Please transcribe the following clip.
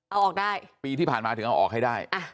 เอาออกได้ปีที่ผ่านมาถึงเอาออกให้ได้